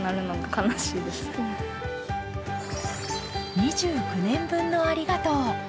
２９年分のありがとう。